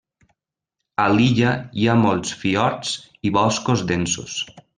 A l'illa hi ha molts fiords i boscos densos.